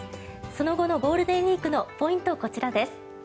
その後のゴールデンウィークのポイントこちらです。